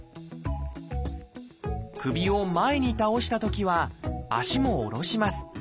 首を前に倒したときは足も下ろします。